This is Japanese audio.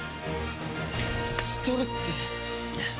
打ち取るって。